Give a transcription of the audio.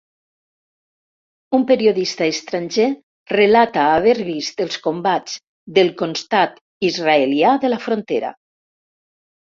Un periodista estranger relata haver vist els combats del constat israelià de la frontera.